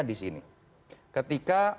di sini ketika